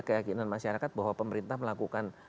keyakinan masyarakat bahwa pemerintah melakukan